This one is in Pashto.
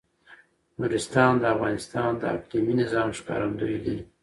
نورستان د افغانستان د اقلیمي نظام ښکارندوی ده.